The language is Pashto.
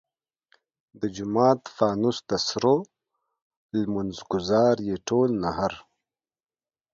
د جومات فانوس د سرو لمونځ ګزار ئې ټول نهر !